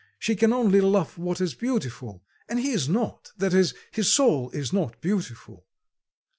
She can only love what is beautiful, and he is not, that is, his soul is not beautiful."